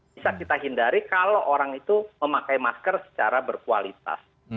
bisa kita hindari kalau orang itu memakai masker secara berkualitas